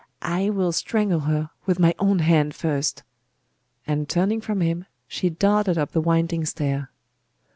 I will strangle her with my own hand first!' And turning from him, she darted up the winding stair.